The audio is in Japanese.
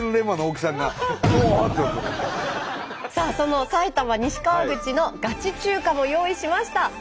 さあその埼玉西川口のガチ中華も用意しました。